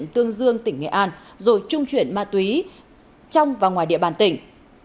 tương dương tỉnh nghệ an rồi trung chuyển ma túy trong và ngoài địa bàn tỉnh